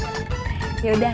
yaudah nanti kita berbicara